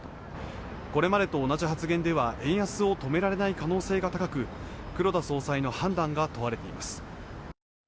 これまでと同じ発言では円安を止められない可能性が高く黒田総裁の判断が問われています